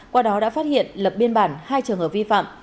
qua đó đã phát hiện lập biên bản hai trường hợp vi phạm